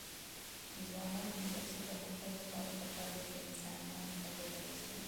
د ځوانانو د شخصي پرمختګ لپاره پکار ده چې انسانانو ته ګټه رسوي.